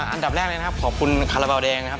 อันดับแรกเลยนะครับขอบคุณคาราบาลแดงนะครับ